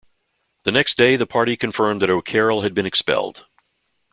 The next day, the party confirmed that O'Carroll had been expelled.